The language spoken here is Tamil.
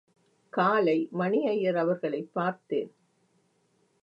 காலை மணி அய்யர் அவர்களைப் பார்த்தேன்.